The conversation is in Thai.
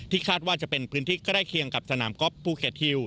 คาดว่าจะเป็นพื้นที่ใกล้เคียงกับสนามก๊อฟภูเก็ตฮิว